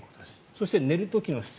そして、寝る時の姿勢。